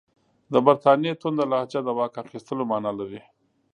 د برټانیې تونده لهجه د واک اخیستلو معنی لري.